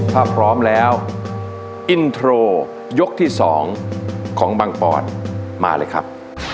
ถ้าพร้อมแล้วยกที่สองของบังปอดมาเลยครับ